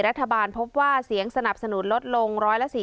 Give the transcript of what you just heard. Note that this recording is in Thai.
รัฐบาลพบว่าเสียงสนับสนุนลดลง๑๔๐